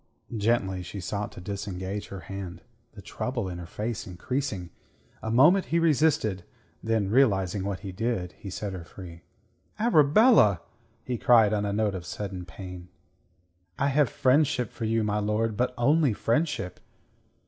Gently she sought to disengage her hand, the trouble in her face increasing. A moment he resisted; then, realizing what he did, he set her free. "Arabella!" he cried on a note of sudden pain. "I have friendship for you, my lord. But only friendship."